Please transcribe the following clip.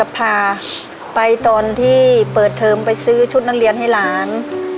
พาไปตอนที่เปิดเทอมไปซื้อชุดนักเรียนให้หลาน